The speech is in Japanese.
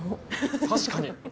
確かに。